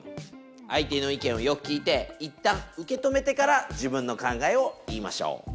相手の意見をよく聞いていったん受け止めてから自分の考えを言いましょう。